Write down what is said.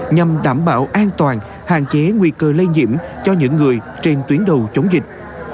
nhằm đảm bảo an toàn hạn chế nguy cơ lây nhiễm cho những người trên tuyến đầu chống dịch